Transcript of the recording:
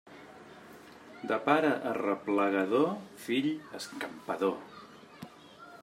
De pare arreplegador, fill escampador.